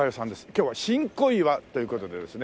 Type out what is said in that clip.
今日は新小岩という事でですね。